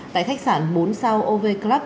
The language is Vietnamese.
tại khách sạn bốn sao ov club